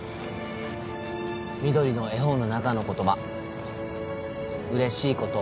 みどりの絵本の中の言葉「うれしいこと